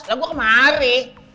lah gue kemari